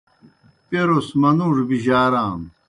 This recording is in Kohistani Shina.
پیْروْس منُوڙوْ بِجارانوْ۔